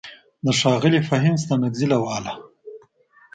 د ښاغلي فهيم ستانکزي له واله: